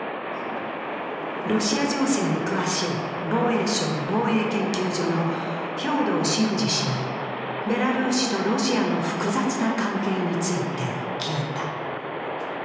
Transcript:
ロシア情勢に詳しい防衛省防衛研究所の兵頭慎治氏にベラルーシとロシアの複雑な関係について聞いた。